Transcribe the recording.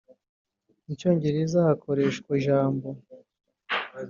mu cyongereza hakoreshwa ijambo